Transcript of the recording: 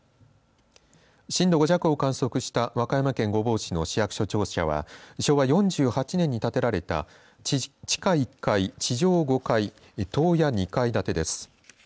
震度５弱を観測した和歌山県御坊市の市役所庁舎は昭和４８年に建てられた地下１階、地上５階塔屋２階建てです。